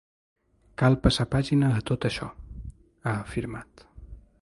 “Cal passar pàgina a tot això”, ha afirmat.